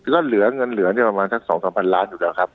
ก็เหลือเงินเหลือเนี่ยประมาณสัก๒๓พันล้านอยู่แล้วครับ